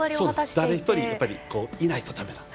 誰一人いないとだめだと。